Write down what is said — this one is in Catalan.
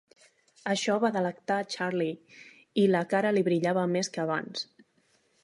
Això va delectar Charley, i la cara li brillava més que abans.